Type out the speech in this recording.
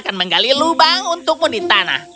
dan segera kelinci itu menggali lubang cukup dalam untukmu